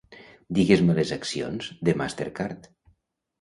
Digues-me les accions de Master Card.